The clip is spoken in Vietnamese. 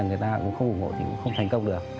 người ta cũng không ủng hộ thì cũng không thành công được